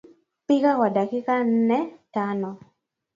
Pika kwa dakika nnetano